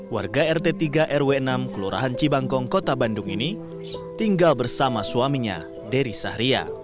warga rt tiga rw enam kelurahan cibangkong kota bandung ini tinggal bersama suaminya dery sahria